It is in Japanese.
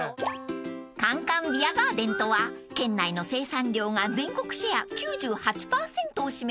［カンカンビアガーデンとは県内の生産量が全国シェア９８％を占める］